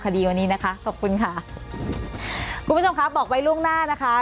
คดีวันนี้นะคะขอบคุณค่ะคุณผู้ชมครับบอกไว้ล่วงหน้านะคะ